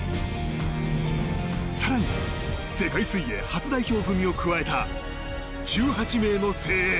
更に、世界水泳初代表組を加えた１８名の精鋭。